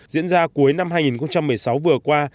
diễn ra cuối năm hai nghìn một mươi sáu vừa qua